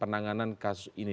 penanganan kasus ini